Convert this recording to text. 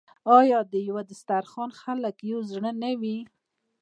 آیا د یو دسترخان خلک یو زړه نه وي؟